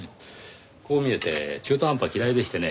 こう見えて中途半端は嫌いでしてね。